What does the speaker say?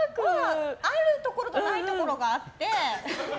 あるところとないところがあって。